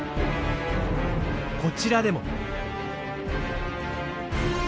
こちらでも。